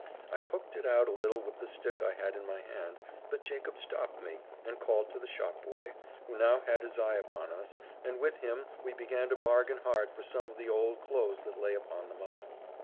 I hooked it out a little with the stick I had in my hand; but Jacob stopped me, and called to the shopboy, who now had his eye upon us, and with him we began to bargain hard for some of the old clothes that lay upon the muff.